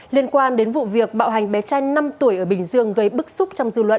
liên quan đến vụ việc bạo hành bé trai năm tuổi ở bình dương gây bức xúc trong dư luận